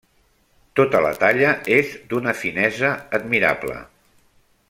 Tota la talla és d'una finesa admirable.